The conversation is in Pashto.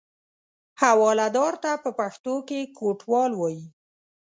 حوالهدار ته په پښتو کې کوټوال وایي.